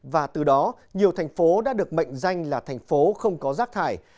và từ đó nhiều thành phố đã được mệnh danh là thành phố không có rác thải